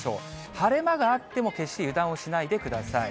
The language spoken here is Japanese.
晴れ間があっても、決して油断をしないでください。